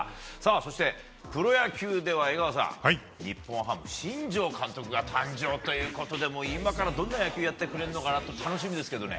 そして、プロ野球では江川さん、日本ハム新庄監督が誕生ということで今からどんな野球をやってくれるか楽しみですけどね。